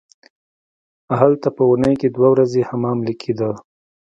هلته په اونۍ کې دوه ورځې حمام کیده.